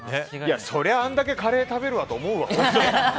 そりゃあれだけカレー食べるわと思うわ。